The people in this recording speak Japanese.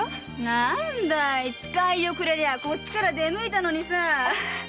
何だい使いをくれりゃこっちから出向いたのにさ。